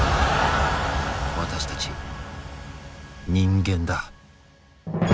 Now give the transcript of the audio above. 私たち人間だ。